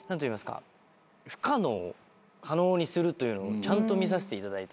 不可能を可能にするというのをちゃんと見させていただいた。